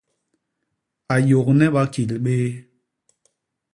A yôgne bakil bé.